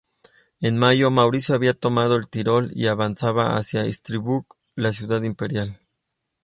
En mayo, Mauricio había tomado el Tirol y avanzaba hacia Innsbruck, la ciudad imperial.